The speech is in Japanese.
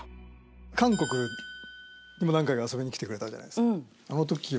韓国にも何回か遊びに来てくれたじゃないですか。